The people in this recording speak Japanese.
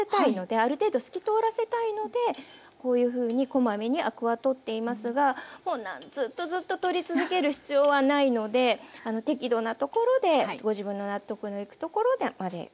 ある程度透き通らせたいのでこういうふうにこまめにアクは取っていますがもうずっとずっと取り続ける必要はないので適度なところでご自分の納得のいくところまで取って下さい。